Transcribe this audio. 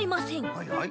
はいはい。